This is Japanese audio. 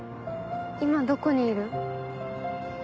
今どこにいる？